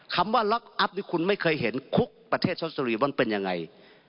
คำว่าลักอัพนี่คุณไม่เคยเห็นคุกประเทศชนสรีมันเป็นยังไง